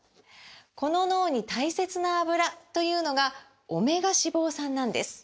この脳に大切なアブラというのがオメガ脂肪酸なんです！